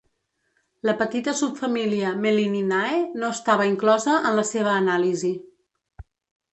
La petita subfamília Mellininae no estava inclosa en la seva anàlisi.